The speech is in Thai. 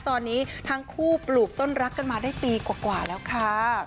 ตอนนี้ทั้งคู่ปลูกต้นรักกันมาได้ปีกว่าแล้วค่ะ